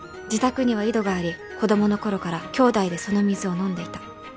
自宅には井戸があり子供の頃から兄妹でその水を飲んでいた。